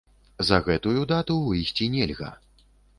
За гэтую дату выйсці нельга.